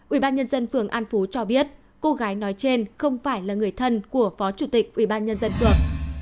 ubnd phường an phú cho biết cô gái nói trên không phải là người thân của phó chủ tịch ubnd phường